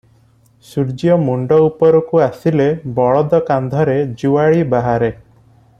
ସୂର୍ଯ୍ୟ ମୁଣ୍ତ ଉପରକୁ ଆସିଲେ ବଳଦ କାନ୍ଧରେ ଯୁଆଳି ବାହାରେ ।